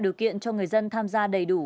điều kiện cho người dân tham gia đầy đủ